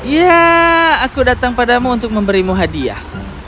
ya aku datang padamu untuk memberimu hadiah